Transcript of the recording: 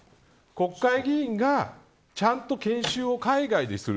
国会議員がちゃんと研修を海外でする。